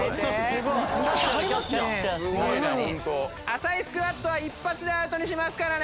浅いスクワットは一発でアウトにしますからね。